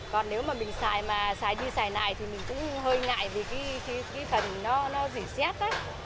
còn nếu mà mình xài mà xài đi xài lại thì mình cũng hơi ngại vì cái phần nó dỉ xét đấy